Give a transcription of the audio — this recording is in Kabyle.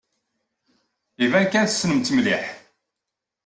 Iban kan tessnem-t mliḥ.